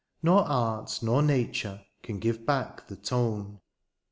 Nor art^ nor nature^ can give back the tone.